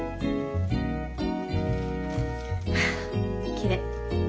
きれい。